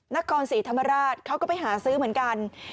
นครศรีธรรมราชเขาก็ไปหาซื้อเหมือนกัน